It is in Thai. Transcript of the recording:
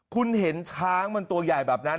คุณเห็นช้างมันตัวใหญ่แบบนั้น